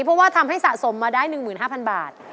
เพราะว่าทำให้สะสมมาได้๑๕๐๐บาท